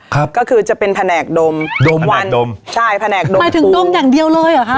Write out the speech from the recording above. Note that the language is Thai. ครับก็คือจะเป็นแผนกดมดมวันดมใช่แผนกดมหมายถึงดมอย่างเดียวเลยเหรอคะ